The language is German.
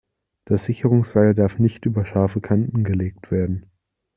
Das Sicherungsseil darf nicht über scharfe Kanten gelegt werden.